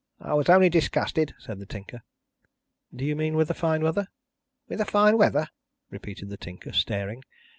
"I was only disgusted," said the Tinker. "Do you mean with the fine weather?" "With the fine weather?" repeated the Tinker, staring.